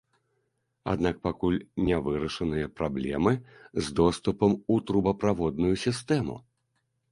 Аднак пакуль не вырашаныя праблемы з доступам у трубаправодную сістэму.